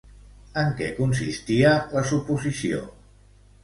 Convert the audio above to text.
En què consistia la suposició?